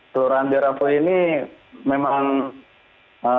kelurahan berafu ini memang beragam